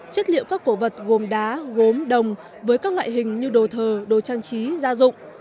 chất liệu các cổ vật gồm đá gốm đồng với các loại hình như đồ thờ đồ trang trí gia dụng